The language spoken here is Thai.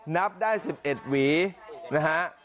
นับได้๑๑หวีนะฮะ